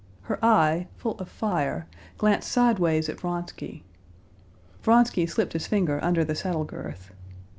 Her eye, full of fire, glanced sideways at Vronsky. Vronsky slipped his finger under the saddle girth.